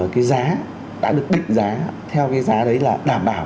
cái giá đã được định giá theo cái giá đấy là đảm bảo